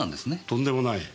とんでもない。